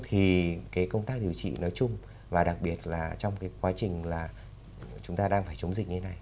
thì cái công tác điều trị nói chung và đặc biệt là trong cái quá trình là chúng ta đang phải chống dịch như thế này